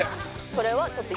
これはちょっと。